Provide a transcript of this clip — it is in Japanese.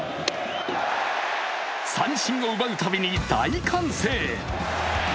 三振を奪うたびに大歓声。